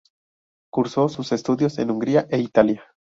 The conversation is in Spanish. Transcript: Cursó sus estudios en Hungría e Italia.